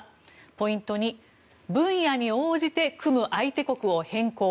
ポイント２分野に応じて組む相手国を変更